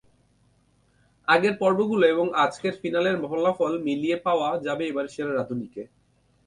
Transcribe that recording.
আগের পর্বগুলো এবং আজকের ফিনালের ফলাফল মিলিয়ে পাওয়া যাবে এবারের সেরা রাঁধুনিকে।